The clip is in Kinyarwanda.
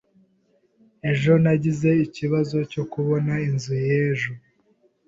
Ejo nagize ikibazo cyo kubona inzu ye ejo.